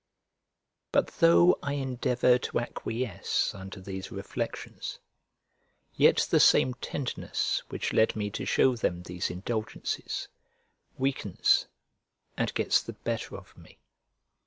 But though I endeavor to acquiesce under these reflections, yet the same tenderness which led me to show them these indulgences weakens and gets the better of me.